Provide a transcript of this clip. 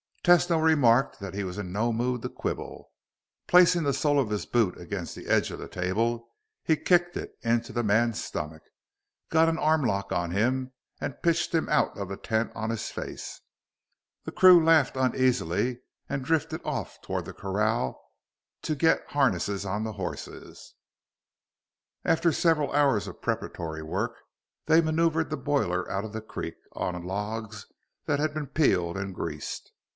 Tesno remarked that he was in no mood to quibble. Placing the sole of his boot against the edge of the table, he kicked it into the man's stomach, got an armlock on him, and pitched him out of the tent on his face. The crew laughed uneasily and drifted off toward the corral to get harness on the horses. After several hours of preparatory work, they maneuvered the boiler out of the creek on logs that had been peeled and greased.